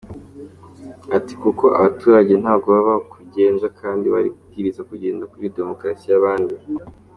Ati “Kuko abaturage ntabwo babaho bigenga kandi bari kubwirizwa kugendera kuri demokarasi y’abandi.”